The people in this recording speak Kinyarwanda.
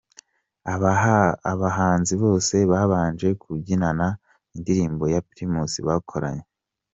Abahanzi bose babanje kubyinana indirimbo ya Primus bakoranye.